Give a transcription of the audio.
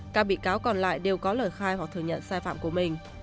các bị cáo còn lại đều có lời khai hoặc thừa nhận sai phạm của mình